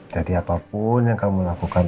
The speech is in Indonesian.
jadi apapun yang kamu lakukan